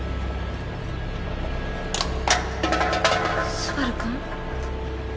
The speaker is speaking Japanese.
昴くん？